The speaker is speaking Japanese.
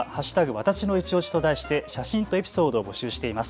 わたしのいちオシと題して写真とエピソードを募集しています。